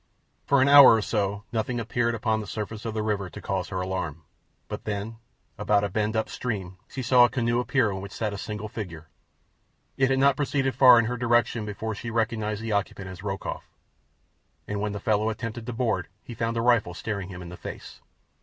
For an hour or so nothing appeared upon the surface of the river to cause her alarm, but then, about a bend up stream, she saw a canoe appear in which sat a single figure. It had not proceeded far in her direction before she recognized the occupant as Rokoff, and when the fellow attempted to board he found a rifle staring him in the face.